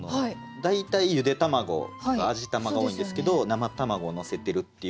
大体ゆで卵とか味玉が多いんですけど生卵をのせてるっていう。